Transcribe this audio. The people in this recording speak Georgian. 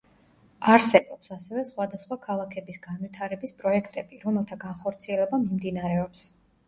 არსებობს, ასევე სხვადასხვა ქალაქების გავითარების პროექტები, რომელთა განხორციელება მიმდინარეობს.